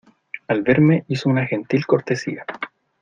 al verme hizo una gentil cortesía